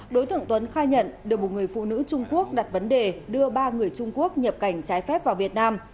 đối tượng tuấn khai nhận được một người phụ nữ trung quốc đặt vấn đề đưa ba người trung quốc nhập cảnh trái phép vào việt nam